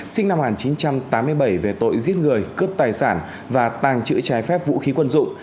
sinh năm một nghìn chín trăm tám mươi bảy về tội giết người cướp tài sản và tàng trữ trái phép vũ khí quân dụng